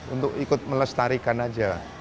untuk ikut melestarikan aja